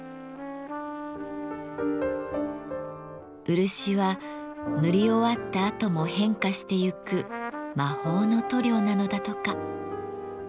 漆は塗り終わったあとも変化してゆく魔法の塗料なのだとか。